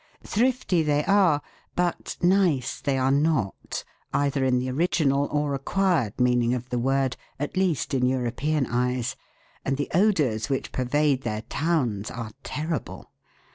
Thrifty they are, but nice they are not, either in the original or acquired meaning of the word, at least in European eyes ; and the odours which pervade their towns are terrible.